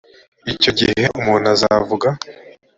icyo gihe umuntu azavuga